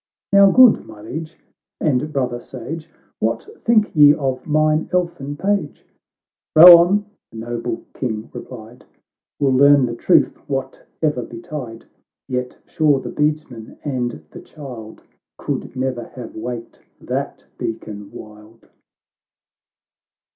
" Now, good my Liege, and brother sage, "What think ye of mine elfin page ?"—" Bow on !" the noble King replied, " We'll learn the truth wbate'er betide ; Tet sure the beadsman and the child Could ne'er have waked that beacon wild."